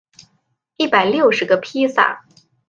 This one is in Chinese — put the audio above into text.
一百六十个披萨